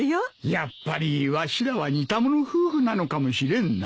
やっぱりわしらは似た者夫婦なのかもしれんな。